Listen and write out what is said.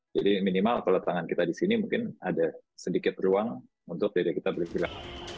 jadi minimal kalau tangan kita di sini mungkin ada sedikit ruang untuk dada kita bergerak